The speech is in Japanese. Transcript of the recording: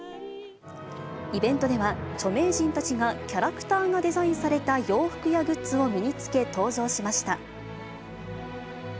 イベントでは、著名人たちが、キャラクターがデザインされた洋服やグッズを身につけ登場しました。